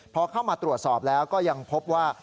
พอเข้ามาตรวจสอบแล้วก็ยังพบว่า